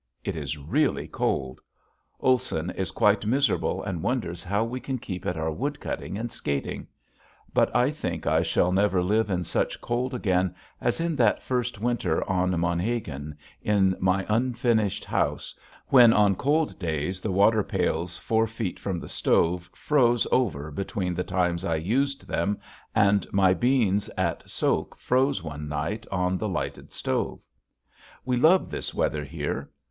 It is really cold. Olson is quite miserable and wonders how we can keep at our wood cutting and skating. But I think I shall never live in such cold again as in that first winter on Monhegan in my unfinished house when on cold days the water pails four feet from the stove froze over between the times I used them, and my beans at soak froze one night on the lighted stove. We love this weather here.